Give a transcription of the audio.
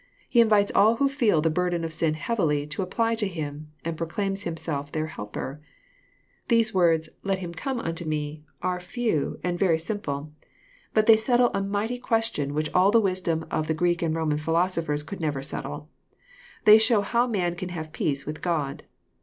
He invites all who feel the burden of sin heavy, to apply to Him, and proclaims Him self their helper. Those words " let him come unto me," are few and very JOHN, CHAP. yn. 41 simple. Bat they settle a mighty question which all the wisdom of Greek and Roman philosophers could never settle ; they show how ^an can have peace with God.